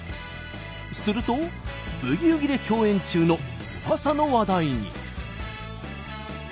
すると「ブギウギ」で共演中の翼の話題に。